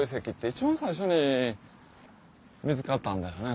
一番最初に見つかったんだよね